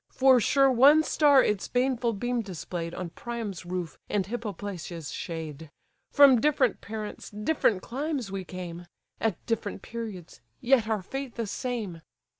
For sure one star its baneful beam display'd On Priam's roof, and Hippoplacia's shade. From different parents, different climes we came. At different periods, yet our fate the same!